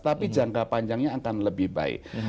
tapi jangka panjangnya akan lebih baik